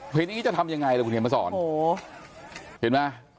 เพราะงี้จะทำยังไงแหละคุณเฮมภัสรโหเห็นไหม